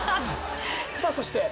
さぁそして。